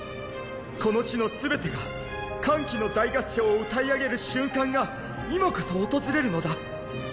この地のすべてが歓喜の大合唱を歌いあげる瞬間が今こそ訪れるのだ！